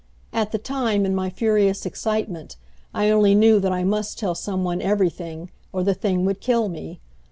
At the time in my furious excitement I only knew that I must tell some one everything, or the thing would kill me.